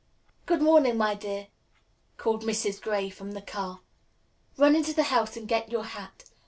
"Good morning, my dear," called Mrs. Gray from the car. "Run in the house and get your hat.